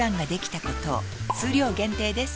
数量限定です